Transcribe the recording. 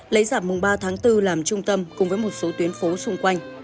lấy giảm mùng ba tháng bốn làm trung tâm cùng với một số tuyến phố xung quanh